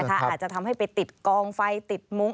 อาจจะทำให้ไปติดกองไฟติดมุ้ง